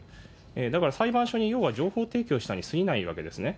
だから裁判所に要は情報提供したに過ぎないわけですね。